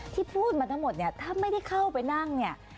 ที่พูดมาทั้งหมดเนี่ยถ้าไม่ได้เข้าไปนั่งเนี่ย